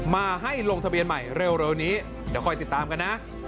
มาให้ลงทะเบียนใหม่เร็วนี้เดี๋ยวคอยติดตามกันนะ